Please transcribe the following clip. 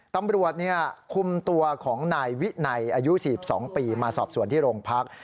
ตำรวจคุมตัวของนายวินัยอายุ๔๒ปีมาสอบส่วนที่โรงพัก